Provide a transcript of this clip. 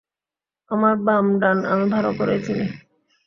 আমার বাম-ডান আমি ভালো করেই চিনি।